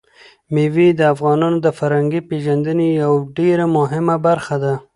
مېوې د افغانانو د فرهنګي پیژندنې یوه ډېره مهمه برخه ده.